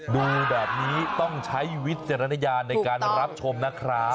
ดูแบบนี้ต้องใช้วิจารณญาณในการรับชมนะครับ